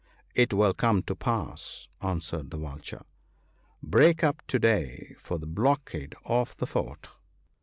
" It will come to pass !" answered the Vulture. " Break up to day for the blockade of the fort."